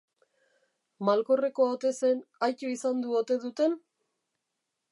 Malkorrekoa ote zen, aittu izandu ote duten?...